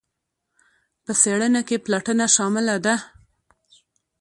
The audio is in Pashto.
په څیړنه کې پلټنه شامله ده.